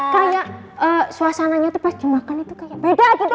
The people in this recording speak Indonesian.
kayak suasananya tuh pas dimakan itu kayak beda gitu